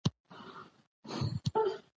ویښ پاته کېدل د خوب نه کولو حالت دئ.